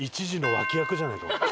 １時の脇役じゃないか。